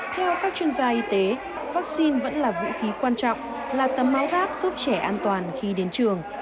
theo các chuyên gia y tế vaccine vẫn là vũ khí quan trọng là tấm máu rác giúp trẻ an toàn